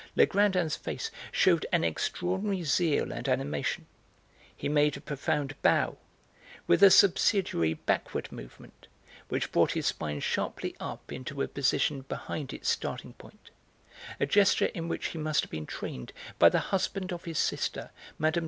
Legrandin's face shewed an extraordinary zeal and animation; he made a profound bow, with a subsidiary backward movement which brought his spine sharply up into a position behind its starting point, a gesture in which he must have been trained by the husband of his sister, Mme.